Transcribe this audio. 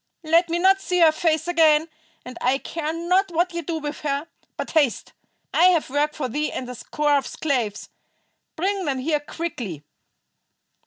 Let me not see her face again, and I care not what ye do with her. But haste. I have work for thee and a score of slaves. Bring them here quickly!"